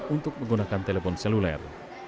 untuk menggunakan telepon seluler